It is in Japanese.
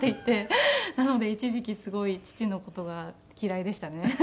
なので一時期すごい父の事が嫌いでしたね。